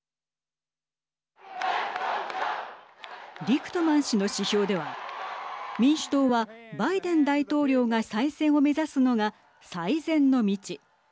リクトマン氏の指標では民主党はバイデン大統領が再選を目指すのが最善の道。